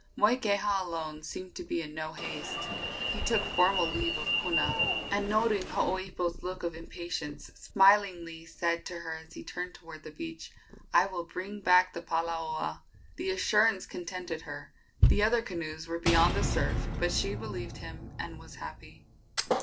Moikeha alone seemed to be in no haste. He took formal leave of Puna, and, noting Hooipo's look of impatience, smilingly said to her as he turned toward the beach: "I will bring back the palaoa!" The assurance contented her. The other canoes were beyond the surf, but she believed him and was happy.